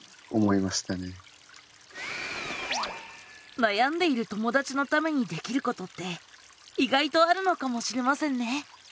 悩んでいる友だちのためにできることって意外とあるのかもしれませんね。